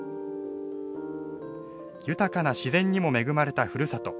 豊かな自然にも恵まれたふるさと。